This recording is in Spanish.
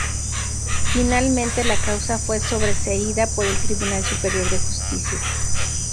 Finalmente la causa fue sobreseída por el Tribunal Superior de Justicia.